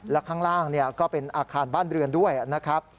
และข้างล่างก็เป็นอาคารบ้านเรือนด้วยนะครับ